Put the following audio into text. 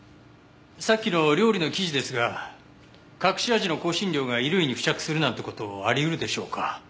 さっきの料理の記事ですが隠し味の香辛料が衣類に付着するなんて事あり得るでしょうか？